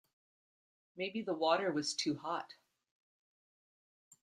Maybe the water was too hot.